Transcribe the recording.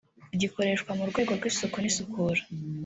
gikoreshwa mu rwego rw’isuku n’isukura